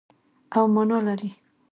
او مانا لري.